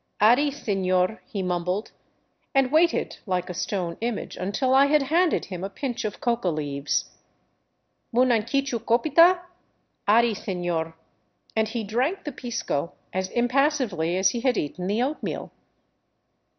" Ari, senor," he mumbled, and waited like a stone image until I had handed him a pinch of coca leaves. " Munanquichu copita ?"" Ari, senor," and he drank the pisco as impassively as he had eaten the oatmeal.